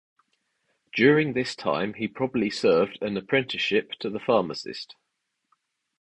During this time he probably served an apprenticeship to a pharmacist.